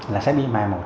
là sẽ bị mai một